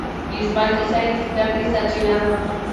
د ژوند کيسه يې د زده کړې سرچينه ده.